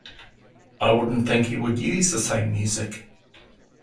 I wouldn't think he would use the same music.